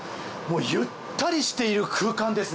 ゆったりしている空間ですね。